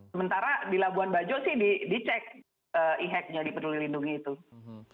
sementara di labuan bajo sih dicek e hacknya dipeduli lindungi itu